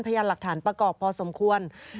พยานหลักฐานประกอบพอสมควร